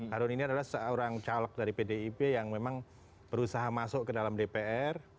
harun ini adalah seorang caleg dari pdip yang memang berusaha masuk ke dalam dpr